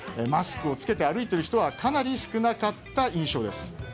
マスクを着けて歩いている人はかなり少なかった印象です。